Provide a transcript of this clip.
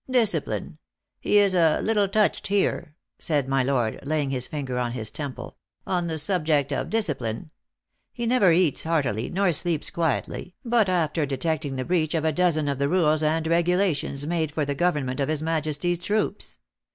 " Discipline ! He is a little touched here," said my lord, laying his finger on his temple, " on the sub ject of discipline. He never eats heartily, nor sleeps quietly, but after detecting the breach of a dozen of the rules and regulations made for the government of his Majesty s troops.